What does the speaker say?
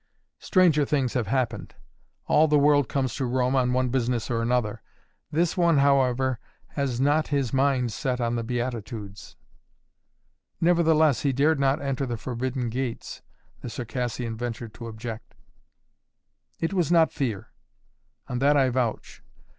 "Stranger things have happened. All the world comes to Rome on one business or another. This one, however, has not his mind set on the Beatitudes " "Nevertheless he dared not enter the forbidden gates," the Circassian ventured to object. "It was not fear. On that I vouch.